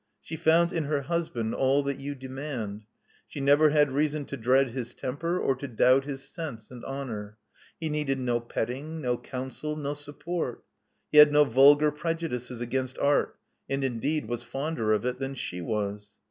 She found in her husband all that you demand. She never had reason to dread his temper, or to doubt his sense and honor. He needed no petting, no counsel, no support. He had no vulgar prejudices against art, and, indeed, was fonder of it than she was.